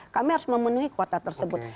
kami harus memenuhi kuota tersebut